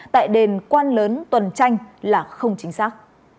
tại đền quan lớn tuần tranh là không chính xác